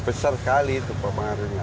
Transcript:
besar sekali itu pengaruhnya